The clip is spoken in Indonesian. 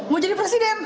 mau jadi presiden